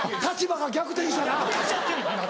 立場が逆転したな。